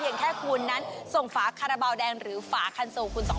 เพียงแค่คุณนั้นส่งฝาคาราเบาแดงหรือฝาคันสูงคุณสอง